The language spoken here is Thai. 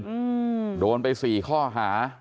กลายผู้อื่นโดนไป๔ข้อหา